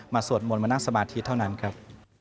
สวดมนต์มานั่งสมาธิเท่านั้นครับ